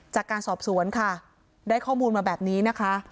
จากการสอบสวนค่ะได้ข้อมูลมาแบบนี้นะคะ